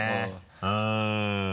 うん。